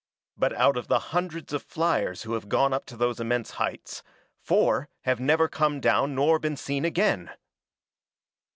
But out of the hundreds of fliers who have gone up to those immense heights, four have never come down nor been seen again!